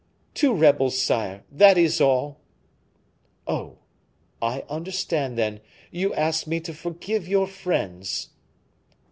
"Two rebels, sire, that is all." "Oh! I understand, then, you ask me to forgive your friends."